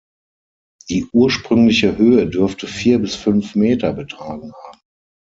Die ursprüngliche Höhe dürfte vier bis fünf Meter betragen haben.